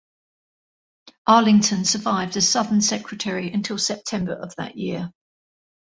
Arlington survived as Southern Secretary until September of that year.